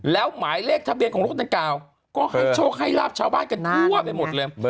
แล้วหมายเลขทะเบียนของรถดังกล่าวก็ให้โชคให้ลาบชาวบ้านกันทั่วไปหมดเลย